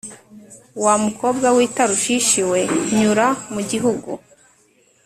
Wa mukobwa w i tarushishi we nyura mu gihugu